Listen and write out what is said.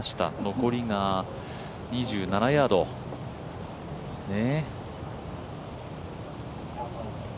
残りが２７ヤードですね。